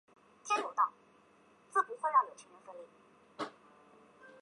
你会注意到我避免说任何政治的事。